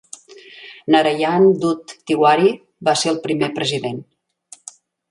Narayan Dutt Tiwari va ser el primer president.